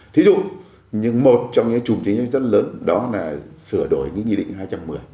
thí dụ một trong những chủng chính rất lớn đó là sửa đổi những nhị định hai trăm một mươi